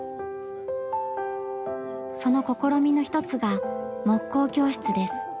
その試みの一つが木工教室です。